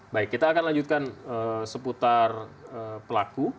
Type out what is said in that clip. baik kita akan lanjutkan seputar pelaku